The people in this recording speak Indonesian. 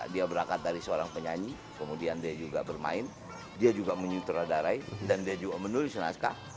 dia berangkat dari seorang penyanyi kemudian dia juga bermain dia juga menyutradarai dan dia juga menulis naskah